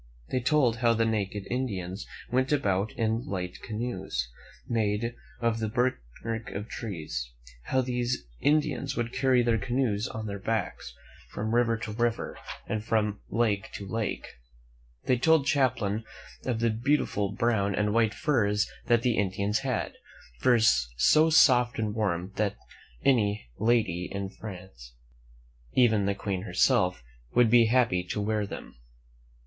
They told how the naked Indians went about in light canoes, made of the bark of trees; how these Indians would carry their canoes on their backs from river to river and from lake to lake. They told Champlain of the beautiful brown and white furs that the Indians had — furs so soft and warm that any lady in France, even the Queen herself, would be happy to wear them.